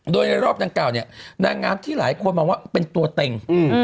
โดยในรอบดังกล่าวเนี่ยนางงามที่หลายคนมองว่าเป็นตัวเต็ง